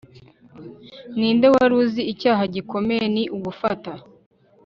ninde wari uzi icyaha gikomeye ni ugufata